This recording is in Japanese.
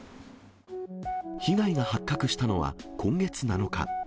被害が発覚したのは今月７日。